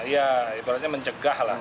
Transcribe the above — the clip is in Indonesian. ya ibaratnya mencegah lah